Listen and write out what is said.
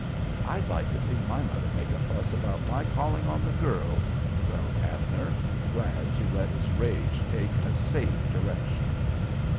"I'd like to see my mother make a fuss about my calling on the girls!" growled Abner, glad to let his rage take a safe direction.